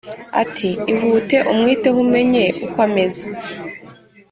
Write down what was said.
ati"ihute umwiteho umenye uko ameze